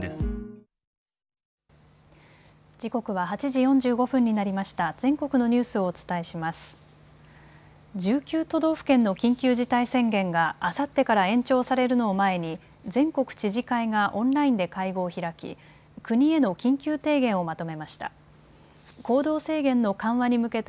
１９都道府県の緊急事態宣言があさってから延長されるのを前に全国知事会がオンラインで会合を開き国への緊急提言をまとめました。